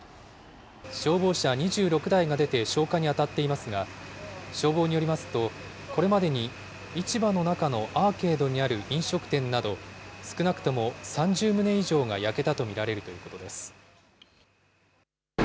消防車２６台が出て消火に当たっていますが、消防によりますと、これまでに市場の中のアーケードにある飲食店など、少なくとも３０棟以上が焼けたと見られるということです。